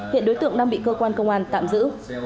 hiện đối tượng đang bị cơ quan công an tạm giữ